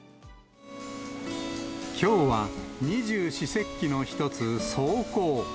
きょうは二十四節気の一つ、霜降。